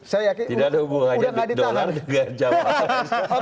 saya yakin sudah nggak ditangani